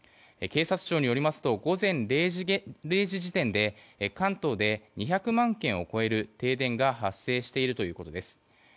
警察庁によりますと午前０時時点で関東で２００万軒を超える停電が発生しているということです。